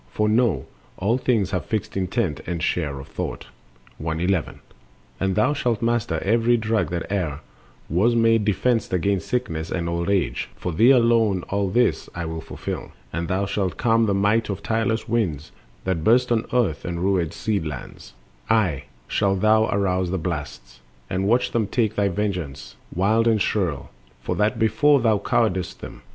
For know: All things have fixed intent and share of thought. Dominion. 111. And thou shalt master every drug that e'er Was made defense 'gainst sickness and old age— For thee alone all this I will fulfil— And thou shalt calm the might of tireless winds, That burst on earth and ruin seedlands; aye, And if thou wilt, shalt thou arouse the blasts, And watch them take their vengeance, wild and shrill, For that before thou cowedst them.